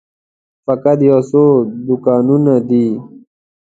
فقط یو څو دوکانونه دي.